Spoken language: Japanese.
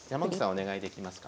お願いできますか？